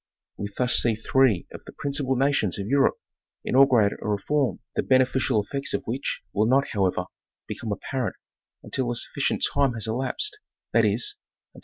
We thus see three of the principal nations of Europe inaugu rate a reform, the beneficial effects of which will not, however, become apparent until a sufficient time has elapsed, that is, until 266 National Geograghic Magazine.